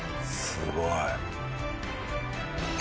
すごい。